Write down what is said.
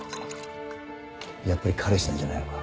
やっぱり彼氏なんじゃないのか？